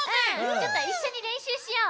ちょっといっしょにれんしゅうしよう。